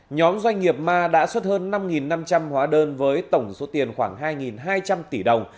nhóm doanh nghiệp ma đã xuất hơn năm năm trăm linh hóa đơn với tổng số tiền khoảng hai hai trăm linh tỷ đồng